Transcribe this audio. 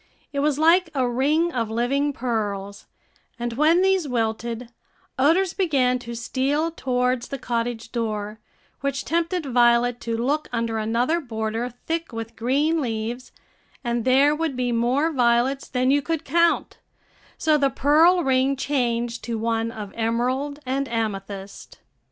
It was like a ring of living pearls; and when these wilted, odors began to steal towards the cottage door, which tempted Violet to look under another border thick with green leaves, and there would be more violets than you could count; so the pearl ring changed to one of emerald and amethyst.